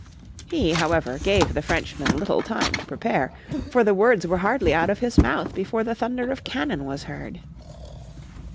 He, however, gave the Frenchman little time to prepare, for the words were hardly out of his mouth before the thunder of cannon was heard.